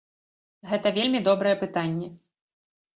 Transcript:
Гэта вельмі добрае пытанне.